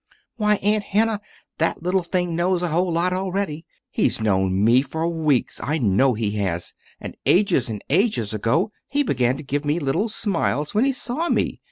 Why, Aunt Hannah, that little thing knows a whole lot already. He's known me for weeks; I know he has. And ages and ages ago he began to give me little smiles when he saw me.